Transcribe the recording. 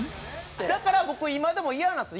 だから僕今でもイヤなんです。